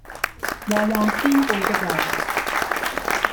旺旺仙貝的旺旺